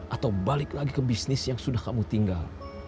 atau balik lagi ke bisnis yang sudah kamu tinggal